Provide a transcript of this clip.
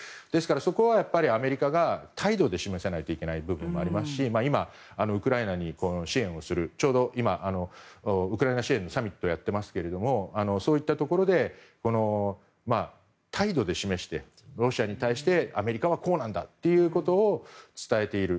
そこはアメリカが態度で示さないといけない部分がありますし今、ウクライナに支援をするちょうど今、ウクライナ支援のサミットをやってますけどもそういったところで態度で示してロシアに対してアメリカはこうなんだということを伝えている。